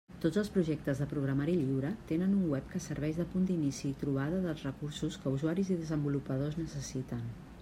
Tots els projectes de programari lliure tenen un web que serveix de punt d'inici i trobada dels recursos que usuaris i desenvolupadors necessiten.